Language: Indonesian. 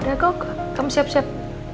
aduh kamu siap siap